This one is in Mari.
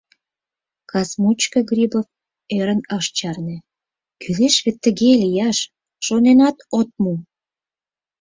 Кас мучко Грибов ӧрын ыш чарне, кӱлеш вет тыге лияш, шоненат от му!